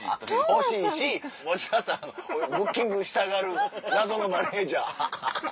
ほしいし持田さんをブッキングしたがる謎のマネジャー。